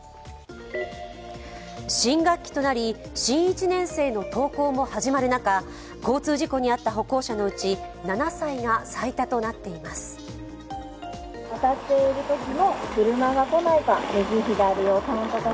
新学期となり新１年生の登校も始まる中交通事故に遭った歩行者のうち７歳が最多となっています。